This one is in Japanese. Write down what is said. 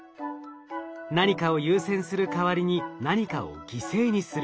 何かを優先する代わりに何かを犠牲にする。